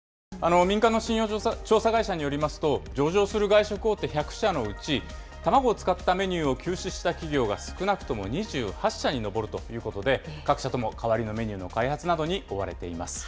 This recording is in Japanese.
民間の信用調査会社によりますと、上場する外食大手１００社のうち、卵を使ったメニューを休止した企業が少なくとも２８社に上るということで、各社とも代わりのメニューの開発などに追われています。